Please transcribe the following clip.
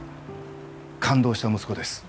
勘当した息子です。